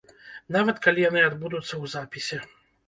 Нават калі яны адбудуцца ў запісе.